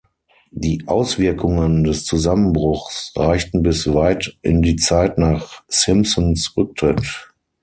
Die Auswirkungen des Zusammenbruchs reichten bis weit in die Zeit nach Simpsons Rücktritt.